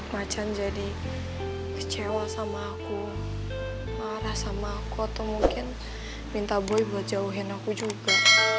macan jadi kecewa sama aku marah sama aku atau mungkin minta boy buat jauhin aku juga